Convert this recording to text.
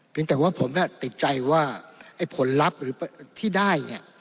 เพียงแต่ว่าผมไม่ติดใจว่าไอ้ผลลัพธ์ที่ได้เนี่ย